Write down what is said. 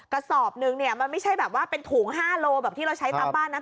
กระสอบหนึ่งเนี่ยมันไม่ใช่แบบว่าเป็นถุง๕โลแบบที่เราใช้ตามบ้านนะ